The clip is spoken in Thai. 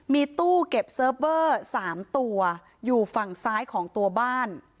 มีตู้เก็บเซิร์ฟเวอร์๓ตัวอยู่ฝั่งซ้ายของตัวบ้าน